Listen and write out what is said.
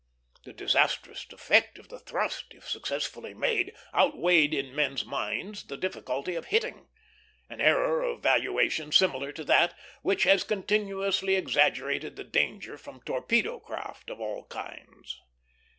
The disastrous effect of the thrust, if successfully made, outweighed in men's minds the difficulty of hitting; an error of valuation similar to that which has continuously exaggerated the danger from torpedo craft of all kinds.